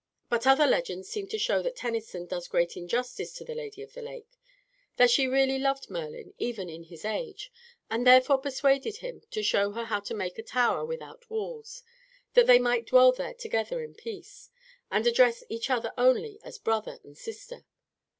But other legends seem to show that Tennyson does great injustice to the Lady of the Lake, that she really loved Merlin even in his age, and therefore persuaded him to show her how to make a tower without walls, that they might dwell there together in peace, and address each other only as Brother and Sister.